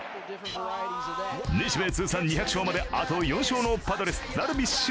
日米通算２００勝まであと４勝のパドレス・ダルビッシュ